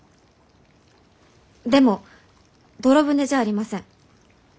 でも泥船じゃありません。